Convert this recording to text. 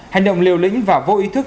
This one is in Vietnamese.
hành động liều lĩnh và vô ý thức